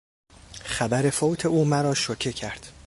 خبر فوت او مرا شوکه کرد.